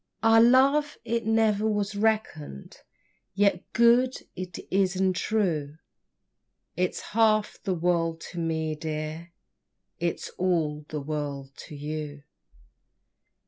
Our love it ne'er was reckon'd, Yet good it is and true, It's half the world to me, dear, It's all the world to you.